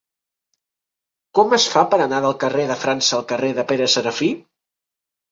Com es fa per anar del carrer de França al carrer de Pere Serafí?